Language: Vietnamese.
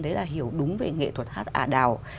đấy là hiểu đúng về nghệ thuật hát ả đào